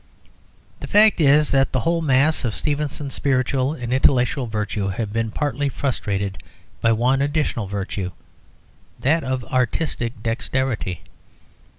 The fact is, that the whole mass of Stevenson's spiritual and intellectual virtues have been partly frustrated by one additional virtue that of artistic dexterity.